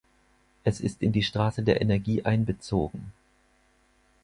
Es ist in die Straße der Energie einbezogen.